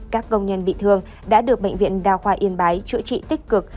các công nhân bị thương đã được bệnh viện đa khoa yên bái chữa trị tích cực